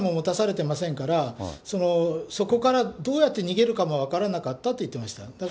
そして小遣いも持たされていませんから、そこからどうやって逃げるかも分からなかったって言ってました。